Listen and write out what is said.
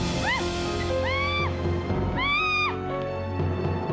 mau sampe aja deh